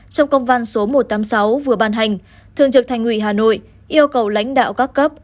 trong công văn số một trăm tám mươi sáu vừa ban hành thường trực thành ủy hà nội yêu cầu lãnh đạo các cấp